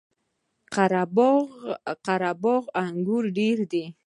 قره باغ انګور ډیر دي؟